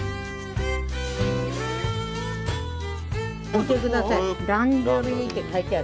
見て下さい。